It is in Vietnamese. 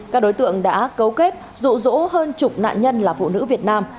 các đối tượng đã cấu kết rụ rỗ hơn chục nạn nhân là phụ nữ việt nam